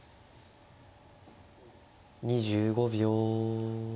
２５秒。